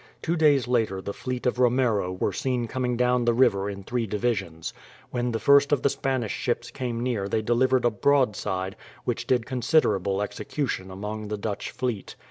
Two days later the fleet of Romero were seen coming down the river in three divisions. When the first of the Spanish ships came near they delivered a broadside, which did considerable execution among the Dutch fleet.